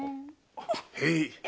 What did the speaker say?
へい！